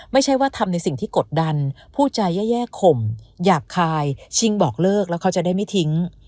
ไม่ใช่ว่าทำในสิ่งที่กดดันผู้ใจแย่ข่มหยาบคายชิงบอกเลิกแล้วเขาจะได้ไม่ทิ้ง